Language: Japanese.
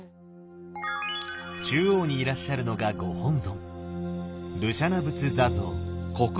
中央にいらっしゃるのがご本尊